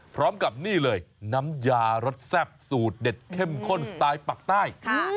พร้อมกับนี่เลยน้ำยารสแซ่บสูตรเด็ดเข้มข้นสไตล์ปักใต้